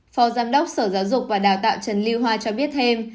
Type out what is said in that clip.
phó giám đốc sở giáo dục và đào tạo trần lưu hoa cho biết thêm